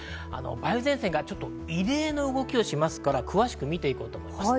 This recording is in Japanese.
梅雨前線がちょっと異例の動きをしますから、詳しく見て行こうと思います。